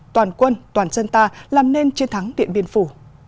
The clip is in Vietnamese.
toàn quân toàn dân ta làm nên chiến thắng điện biên phủ